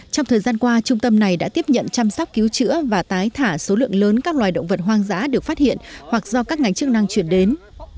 trong thời gian qua trung tâm này đã tiếp nhận chăm sóc cứu chữa và tái thả số lượng lớn các loài động vật hoang dã được phát hiện hoặc do các ngành chức năng chuyển đến